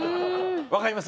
わかります？